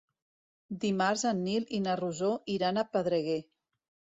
Dimarts en Nil i na Rosó iran a Pedreguer.